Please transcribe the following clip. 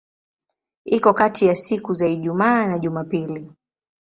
Iko kati ya siku za Ijumaa na Jumapili.